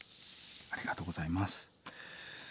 ありがとうございます。